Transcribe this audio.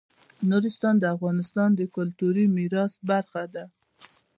نورستان د افغانستان د کلتوري میراث برخه ده.